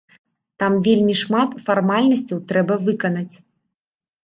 Там вельмі шмат фармальнасцяў трэба выканаць.